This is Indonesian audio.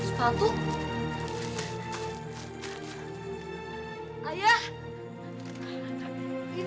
ini semua sepatu yang saya ambil